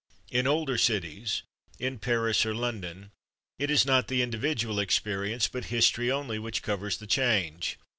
In older cities, in Paris or London, it is not the individual experience, but history only which covers the change.